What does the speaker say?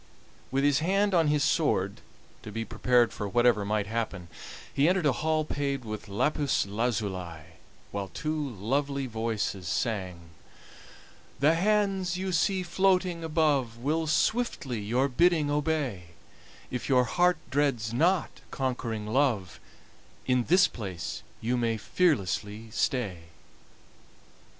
With his hand on his sword, to be prepared for whatever might happen, he entered a hall paved with lapis lazuli, while two lovely voices sang: "The hands you see floating above Will swiftly your bidding obey; If your heart dreads not conquering Love, In this place you may fearlessly stay."